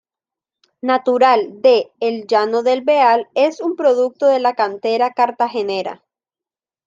Natural de El Llano del Beal, es un producto de la cantera cartagenera.